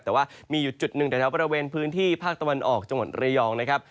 แต่ว่ามีอยู่จุดหนึ่งแถวบริเวณพื้นที่ภาคตะวันออกจังหวัดระยองนะครับ